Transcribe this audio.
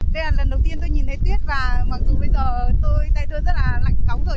đây là lần đầu tiên tôi nhìn thấy tuyết và mặc dù bây giờ tôi đây tôi rất là lạnh cóng rồi